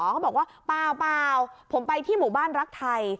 เขาบอกว่าเปล่าผมไปที่หมู่บ้านรักไทย